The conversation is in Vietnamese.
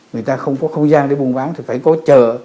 người ta không có không gian để buôn bán thì phải có chờ